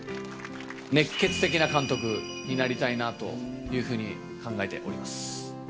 熱血的な監督になりたいなというふうに考えております。